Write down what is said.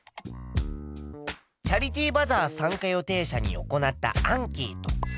チャリティーバザー参加予定者に行ったアンケート。